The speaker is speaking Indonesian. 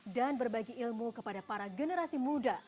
dan berbagi ilmu kepada para generasi muda